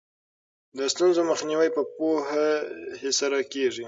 د ستونزو مخنیوی په پوهې سره کیږي.